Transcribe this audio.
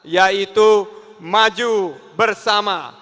yaitu maju bersama